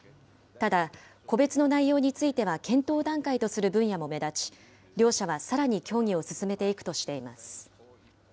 ただ、個別の内容については検討段階とする分野も目立ち、両社はさらに協議を進めていくとしています。